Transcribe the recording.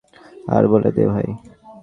আরে বলে দে ভাই।